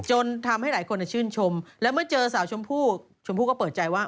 จนทำให้หลายคนชื่นชมและเมื่อเจอสาวชมพู่ชมพู่ก็เปิดใจว่า